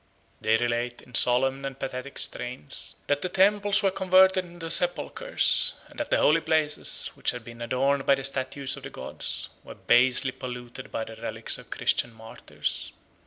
They relate, in solemn and pathetic strains, that the temples were converted into sepulchres, and that the holy places, which had been adorned by the statues of the gods, were basely polluted by the relics of Christian martyrs.